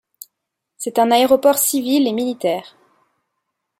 C'est un aéroport civil et militaire.